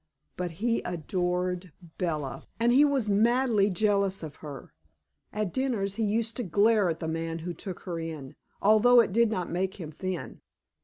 But he adored Bella, and he was madly jealous of her. At dinners he used to glare at the man who took her in, although it did not make him thin.